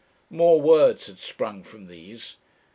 More words had sprung from these.